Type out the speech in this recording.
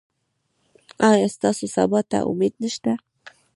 ایا ستاسو سبا ته امید نشته؟